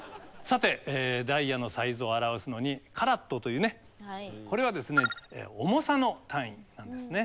さてダイヤのサイズを表すのにカラットというねこれはですね重さの単位なんですね。